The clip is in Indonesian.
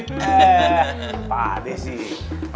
eh pak d sih